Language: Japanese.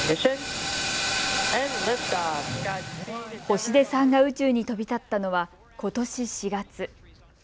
星出さんが宇宙に飛び立ったのはことし４月。